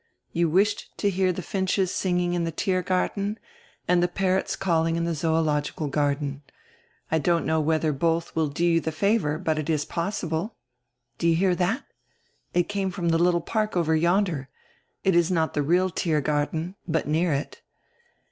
You wished to hear die finches singing in the Tiergarten and die parrots calling in die Zoological Garden. I don't know whedier both will do you die favor, but it is possible. Do you hear that? It came from the little park over yonder. It is not the real Tiergarten, hut near it."